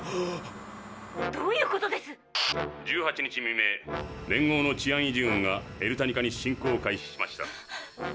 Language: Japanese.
「１８日未明連合の治安維持軍がエルタニカに進攻を開始しました。